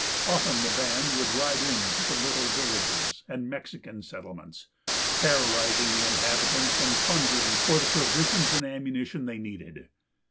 Often the band would ride into the little villages and Mexican settlements, terrorizing the inhabitants and plundering for the provisions and ammunition they needed.